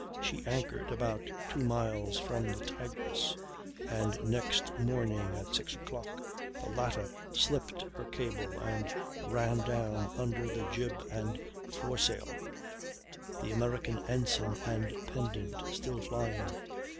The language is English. She anchored about 2 miles from the Tigress; and next morning at 6 o'clock the latter slipped her cable and ran down under the jib and fore sail, the American ensign and pendant still flying.